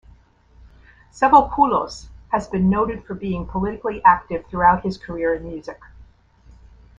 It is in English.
Savvopoulos has been noted for being politically active throughout his career in music.